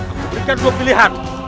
aku berikan dua pilihan